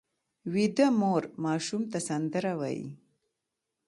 ویده مور ماشوم ته سندره وایي